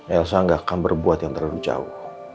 elsa tidak akan berbuat yang terlalu jauh